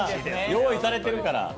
用意されてるから。